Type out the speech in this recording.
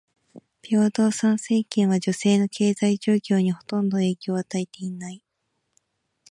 平等参政権は女性の経済状況にほとんど影響を与えていない。